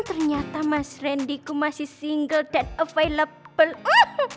ternyata mas randyku masih single that available